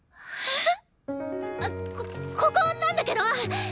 こここなんだけど！